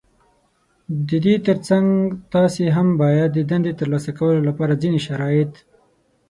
د دې تر څنګ تاسې هم بايد د دندې ترلاسه کولو لپاره ځينې شرايط